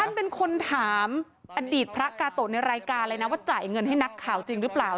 ท่านเป็นคนถามอดีตพระกาโตะในรายการเลยนะว่าจ่ายเงินให้นักข่าวจริงหรือเปล่า